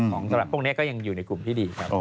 สำหรับพวกนี้ก็ยังอยู่ในกลุ่มที่ดีครับ